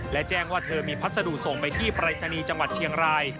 และแจ้งว่าเธอมีพัสดุส่งไปที่ปรายศนีย์จังหวัดเชียงราย